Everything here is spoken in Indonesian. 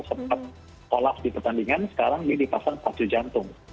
sempat tolak di pertandingan sekarang ini dipasang pacu jantung